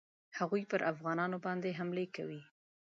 هغوی پر افغانانو باندي حملې کولې.